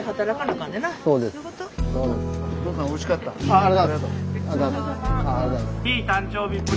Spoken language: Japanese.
ありがとう。